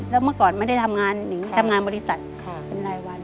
แล้วเมื่อก่อนไม่ได้ทำงานนิงทำงานบริษัทเป็นรายวัน